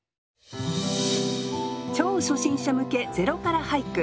超初心者向け「０から俳句」